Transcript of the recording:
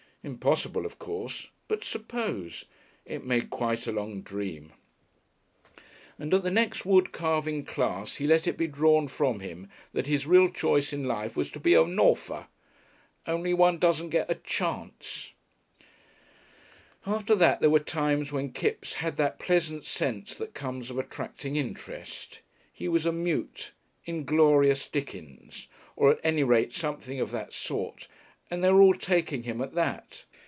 Impossible, of course, but suppose it made quite a long dream. And at the next wood carving class he let it be drawn from him that his real choice in life was to be a Nawther "only one doesn't get a chance." After that there were times when Kipps had that pleasant sense that comes of attracting interest. He was a mute, inglorious Dickens, or at any rate something of that sort, and they were all taking him at that.